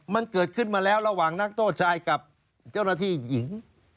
มันเกิดขึ้นมาแล้วระหว่างนักโทษชายกับเจ้าหน้าที่หญิง